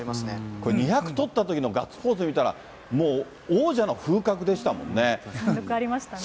これ、２００とったときのガッツポーズ見たら、もう王者の風迫力ありましたね。